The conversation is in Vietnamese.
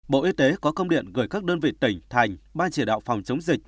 bộ y tế có công điện gửi các đơn vị tỉnh thành ban chỉ đạo phòng chống dịch